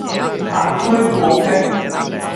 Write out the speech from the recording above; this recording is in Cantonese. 白駒過隙